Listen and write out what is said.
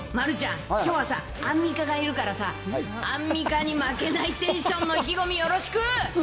丸ちゃん、きょうはさ、アンミカがいるからさ、アンミカに負けないテンションの意気込み、よろしく。